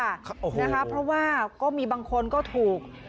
นะครับเพราะว่าก็มีบางคนก็ถูก